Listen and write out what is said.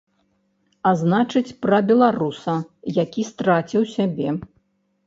А значыць пра беларуса, які страціў сябе.